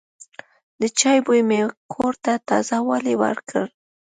د چای بوی مې کور ته تازه والی ورکړ.